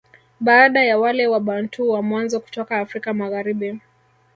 Baada ya wale Wabantu wa mwanzo kutoka Afrika Magharibi